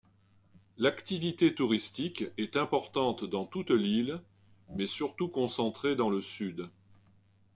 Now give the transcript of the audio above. L'activité touristique est importante dans toute l'île, mais surtout concentrée dans le sud.